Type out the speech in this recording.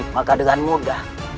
maka dengan mudah